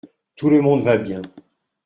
Tout le monde va bien.